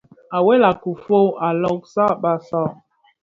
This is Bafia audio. À wela kifog, à lômzàg bàsàg.